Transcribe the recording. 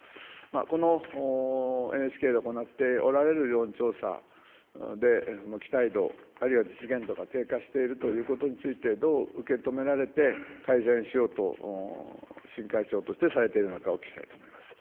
このＮＨＫで行っておられる世論調査で期待度、あるいは実現度が低下しているということについて、どう受け止められて、改善しようと新会長としてされているのか、お聞きしたいと思います。